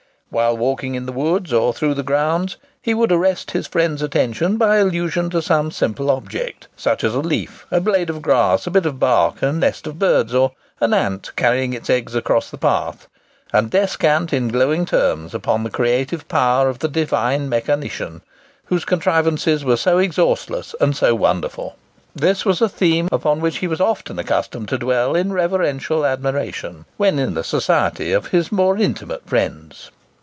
Whilst walking in the woods or through the grounds, he would arrest his friend's attention by allusion to some simple object,—such as a leaf, a blade of grass, a bit of bark, a nest of birds, or an ant carrying its eggs across the path,—and descant in glowing terms upon the creative power of the Divine Mechanician, whose contrivances were so exhaustless and so wonderful. This was a theme upon which he was often accustomed to dwell in reverential admiration, when in the society of his more intimate friends.